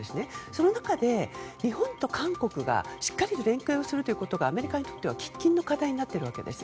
その中で、日本と韓国がしっかりと連帯するということがアメリカにとっては喫緊の課題になっているわけです。